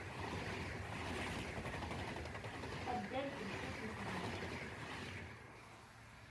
Addal d lsas n tezmert.